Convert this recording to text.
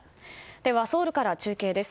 ではソウルから中継です。